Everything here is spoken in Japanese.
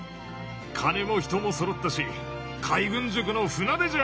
金も人もそろったし海軍塾の船出じゃ！